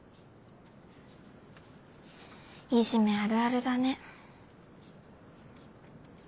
いじめあるあるだね。